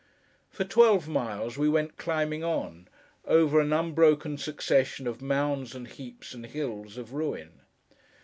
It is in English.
For twelve miles we went climbing on, over an unbroken succession of mounds, and heaps, and hills, of ruin.